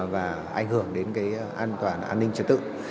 và ảnh hưởng đến cái an toàn an ninh trật tự